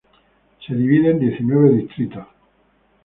Se divide en diecinueve distritos.